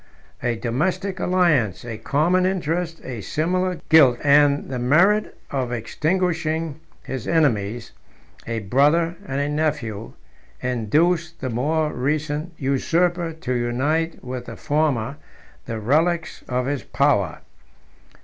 A domestic alliance, a common interest, a similar guilt, and the merit of extinguishing his enemies, a brother and a nephew, induced the more recent usurper to unite with the former the relics of his power.